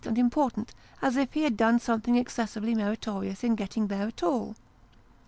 153 aud important as if he had done something excessively meritorious in getting there at all.